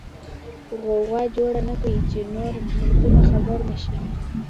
غوغا جوړه نکې چې نور ملکونه خبر نشي.